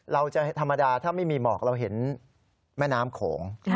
ธรรมดาถ้าไม่มีหมอกเราเห็นแม่น้ำโขง